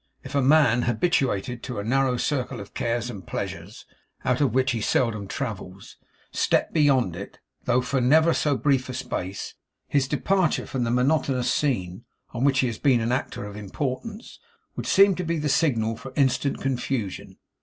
If a man habituated to a narrow circle of cares and pleasures, out of which he seldom travels, step beyond it, though for never so brief a space, his departure from the monotonous scene on which he has been an actor of importance, would seem to be the signal for instant confusion.